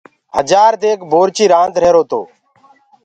هجآر ديگ بورچي رآند هيرو تو